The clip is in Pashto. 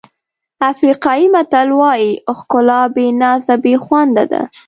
افریقایي متل وایي ښکلا بې نازه بې خونده ده.